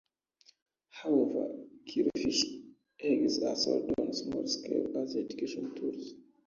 However, killifish eggs are sold on a smaller scale as educational tools.